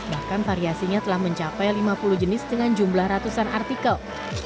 bahkan variasinya telah mencapai lima puluh jenis dengan jumlah ratusan artikel